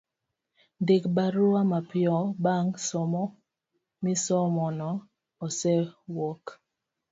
Ndik barua mapiyo bang' somo misomono osewuok